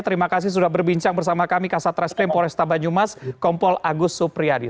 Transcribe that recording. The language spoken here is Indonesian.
terima kasih sudah berbincang bersama kami kasat reskrim polresta banyumas kompol agus supriyadi